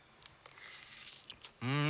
うん！